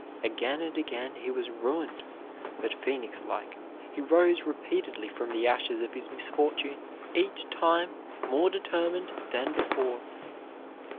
Again and again he was ruined; but phoenix like, he rose repeatedly from the ashes of his misfortune each time more determined than before.